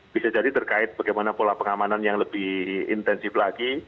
bisa jadi terkait bagaimana pola pengamanan yang lebih intensif lagi